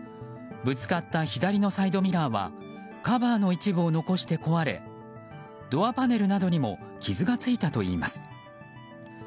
ぶつかった左のサイドミラーはカバーの一部を残して壊れドアパネルなどにも傷がついたといいます。